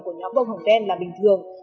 của nhóm bông hồng đen là bình thường